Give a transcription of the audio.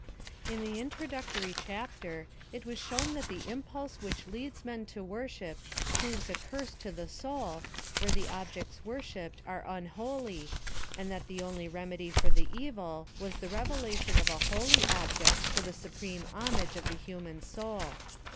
In the introductory chapter it was shown that the impulse which leads men to worship proves a curse to the soul, where the objects worshipped are unho ly, and that the only remedy for the evil was the revelation of a holy object for the supreme homage of the human soul.